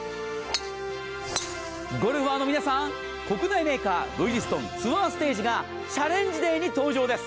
ゴルファーの皆さん、国内メーカーブリヂストンツアーステージがチャレンジデーに登場です。